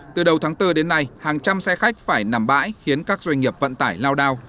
từ đầu tháng bốn đến nay hàng trăm xe khách phải nằm bãi khiến các doanh nghiệp vận tải lao đao